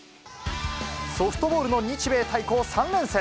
ソフトボールの日米対抗３連戦。